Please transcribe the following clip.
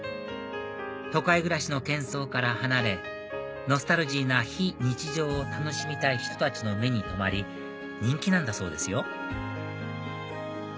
都会暮らしの喧噪から離れノスタルジーな非日常を楽しみたい人たちの目に留まり人気なんだそうですよ